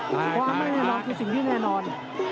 ความไม่แน่นอนคือสิ่งที่แน่นอน